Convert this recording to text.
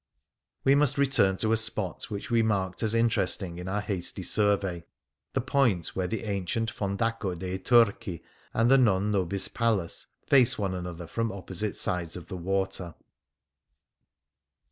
We must return to a spot which we marked as interesting in our hasty survey — the point where the ancient Fondaco dei Turchi and the *' Non Nobis " Palace face one another from opposite sides of the water.